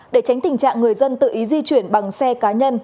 để tránh tình trạng người dân tự ý di chuyển bằng xe cá nhân